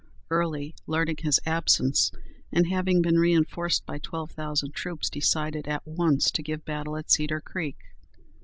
Early, learning his absence, and having been reinforced by twelve thousand troops, decided at once to give battle at Cedar Creek.